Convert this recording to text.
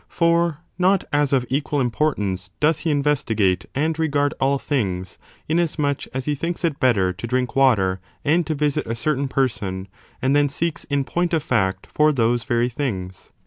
For not as of equal importance doth he investi gate and regard all things, inasmuch as he thinks it better to drink water and to visit a certain person, and then seeks, in point of feet, for those very things.